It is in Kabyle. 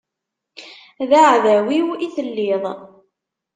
D aεdaw-iw i telliḍ.